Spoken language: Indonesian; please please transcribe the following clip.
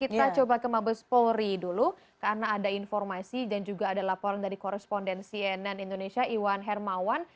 kita coba ke mabes polri dulu karena ada informasi dan juga ada laporan dari korespondensi nn indonesia iwan hermawan